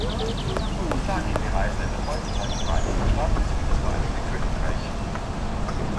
Ozaki bereiste in der Folgezeit die Vereinigten Staaten sowie das Vereinigte Königreich.